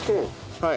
はい。